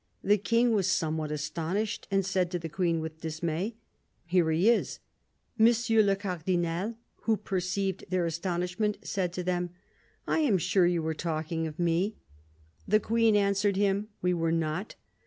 The King was somewhat astonished, and said to the Queen with dismay :' Here he is.' M. le Cardinal, who perceived their astonishment, said to them :' I am sure you were talking of me.' The Queen answered him :' We were not.'